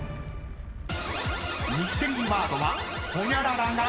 ［ミステリーワードは］